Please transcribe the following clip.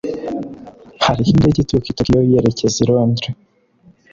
Hariho indege ituruka i Tokiyo yerekeza i Londres.